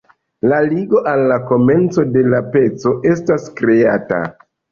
La ligo al la komenco de la peco estas kreata.